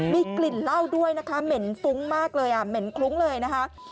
มีกลิ่นเหล้าด้วยนะคะเหม็นฟุ้งมากเลยอ่ะเหม็นคลุ้งเลยนะคะ